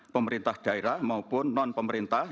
pemerintah daerah maupun non pemerintah